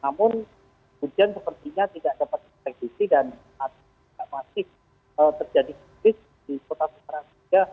namun hujan sepertinya tidak dapat disusul dan masih terjadi kris di kota sumatera